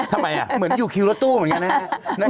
ทำไมเหมือนอยู่คิวรถตู้เหมือนกันนะฮะ